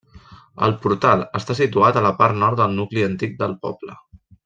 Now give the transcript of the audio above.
El portal està situat a la part nord del nucli antic del poble.